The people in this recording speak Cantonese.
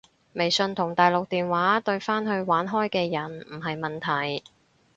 微信同大陸電話對返去玩開嘅人唔係問題